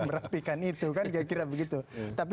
merapikan itu kan kira kira begitu tapi